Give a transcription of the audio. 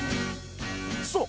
そう。